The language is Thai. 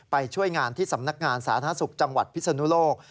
ไปช่วยงานที่สำนักงานสาธารณสุขจังหวัดพิศนุโลก